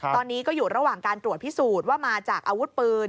ตอนนี้ก็อยู่ระหว่างการตรวจพิสูจน์ว่ามาจากอาวุธปืน